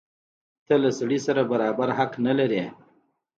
ته له سړي سره برابر حق نه لرې.